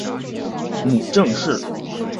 母郑氏。